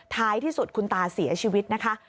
ท้ายที่สุดคุณตาเสียชีวิตนะคะ